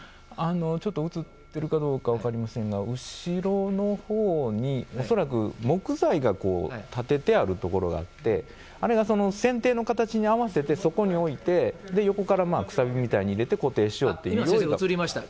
ちょっと映ってるかどうか分かりませんが、後ろのほうに恐らく木材が立ててある所があって、あれがその船底の形に合わせて、そこに置いて、横からくさびみたいなの入れて、先生、映りました。